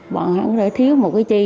bọn họ cũng phải thiếu một cái chi